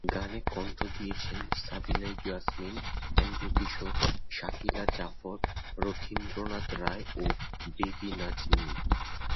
গানে কণ্ঠ দিয়েছেন সাবিনা ইয়াসমিন, এন্ড্রু কিশোর, শাকিলা জাফর, রথীন্দ্রনাথ রায় ও বেবি নাজনীন।